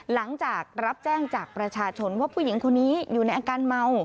หลังจากรับแจ้งจากประชาชนว่าผู้หญิงคนนี้อยู่ในอาการเมา